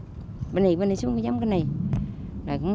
các xã viên đã khẩn trương làm đất xuống giống tái sản xuất cho vụ mới